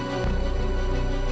jangan marah weng